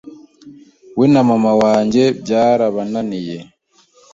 we na Mama wanjye byarabaniye,